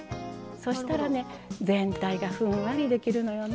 そしたらね全体がふんわりできるのよね。